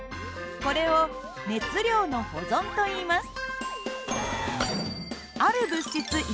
これを熱量の保存といいます。